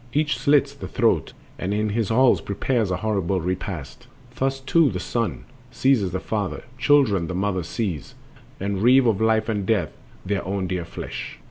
Each slits the throat and in his halls prepares A horrible repast. Thus too the son Seizes the father, children the mother seize, And reeve of life and eath their own dear flesh.